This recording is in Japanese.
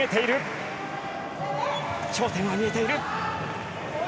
頂点が見えている。